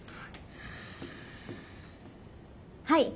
はい。